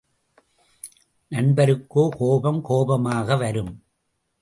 நண்பருக்கோ கோபம் கோபமாக வரும்.